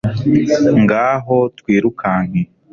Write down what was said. ngaho twirukanke